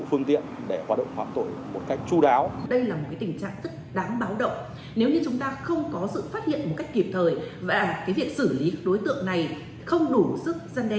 phương tiện để hoạt động phạm tội một cách chú đáo đây là một tình trạng rất đáng báo động nếu như